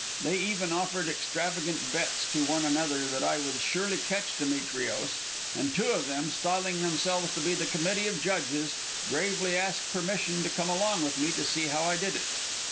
They even offered extravagant bets to one another that I would surely catch Demetrios, and two of them, styling themselves the committee of judges, gravely asked permission to come along with me to see how I did it.